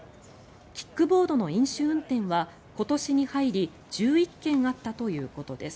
キックボードの飲酒運転は今年に入り１１件あったということです。